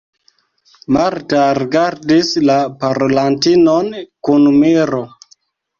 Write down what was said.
Marta rigardis la parolantinon kun miro.